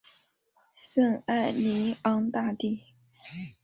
圣艾尼昂大地。